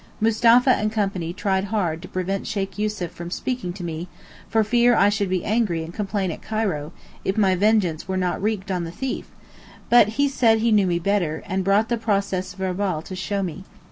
Mustapha and Co. tried hard to prevent Sheykh Yussuf from speaking to me, for fear I should be angry and complain at Cairo, if my vengeance were not wreaked on the thief, but he said he knew me better, and brought the procès verbal to show me.